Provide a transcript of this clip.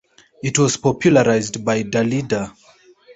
It was popularized by Dalida.